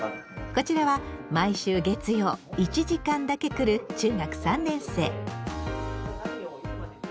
こちらは毎週月曜１時間だけ来る中学３年生。